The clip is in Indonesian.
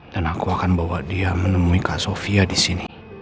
dan aku akan bawa dia menemui kak sofia disini